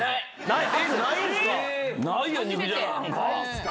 ないんですか？